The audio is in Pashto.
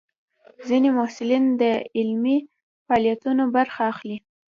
ځینې محصلین د علمي فعالیتونو برخه اخلي.